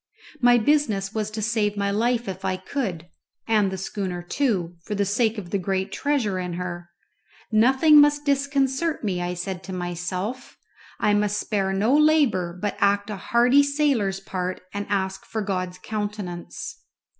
My business was to save my life if I could, and the schooner too, for the sake of the great treasure in her. Nothing must disconcert me I said to myself I must spare no labour, but act a hearty sailor's part and ask for God's countenance.